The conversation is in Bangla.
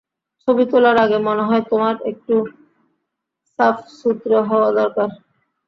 ছবি তোলার আগে মনে হয় তোমার একটু সাফসুতরো হওয়া দরকার।